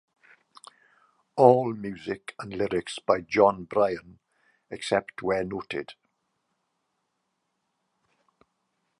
All music and lyrics by Jon Brion except where noted.